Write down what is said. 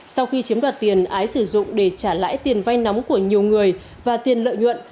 sau khi chiếm đoạt tiền ái sử dụng để trả lãi tiền vay nóng của nhiều người và tiền lợi nhuận